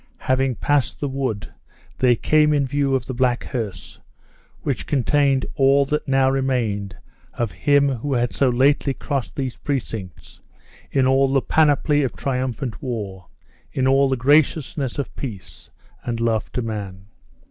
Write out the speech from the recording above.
Having passed the wood, they came in view of the black hearse, which contained all that now remained of him who had so lately crossed these precincts in all the panoply of triumphant war, in all the graciousness of peace, and love to man!